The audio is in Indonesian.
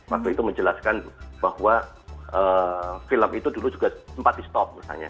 waktu itu menjelaskan bahwa film itu dulu juga sempat di stop misalnya